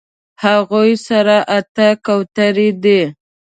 هغوی سره اتۀ کوترې دي